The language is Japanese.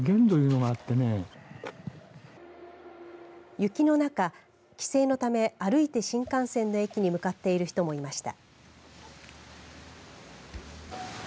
雪の中帰省のため歩いて新幹線の駅に向かっている人もいました。